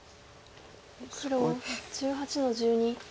白１８の十二。